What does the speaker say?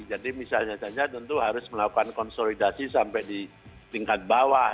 jadi misalnya tentu harus melakukan konsolidasi sampai di tingkat bawah